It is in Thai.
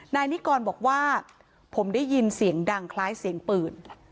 นายนิกรบอกว่าผมได้ยินเสียงดังคล้ายเสียงปืน